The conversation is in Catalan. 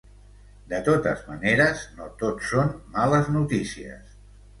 De totes maneres, no tot són males notícies.